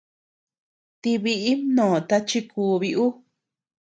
Tïi biʼi mnoota chi kubi uu.